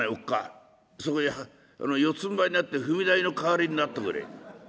そこへ四つんばいになって踏み台の代わりになっとくれ」。